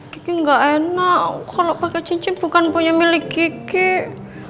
kikik gak enak kalau pakai cincin bukan punya milik kikik